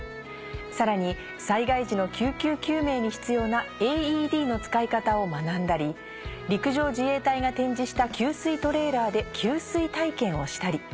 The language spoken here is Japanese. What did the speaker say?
さらに災害時の救急救命に必要なＡＥＤの使い方を学んだり陸上自衛隊が展示した給水トレーラーで給水体験をしたり。